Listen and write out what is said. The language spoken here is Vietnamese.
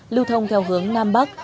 lưu thông theo hướng nam bắc